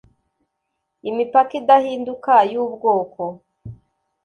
imipaka idahinduka y ubwoko